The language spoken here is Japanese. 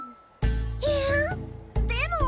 えぇ？でも。